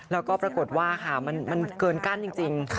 แล้วก็ปรากฏว่ามันเกินกั้นจริง